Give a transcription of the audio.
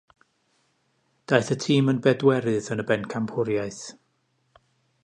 Daeth y tîm yn bedwerydd yn y bencampwriaeth.